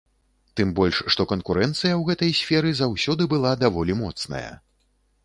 Тым больш, што канкурэнцыя ў гэтай сферы заўсёды была даволі моцная.